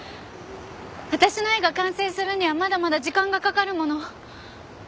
私の絵が完成するにはまだまだ時間がかかるもの